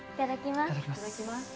いただきます。